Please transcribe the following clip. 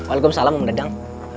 assalamu'alaikum om nedang